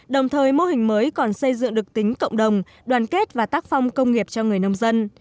đồng thời mô hình mới còn xây dựng được tính cộng đồng đoàn kết và tác phong công nghiệp cho người nông dân